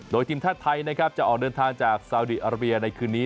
โดยทีมชาติไทยนะครับจะออกเดินทางจากซาวดีอาราเบียในคืนนี้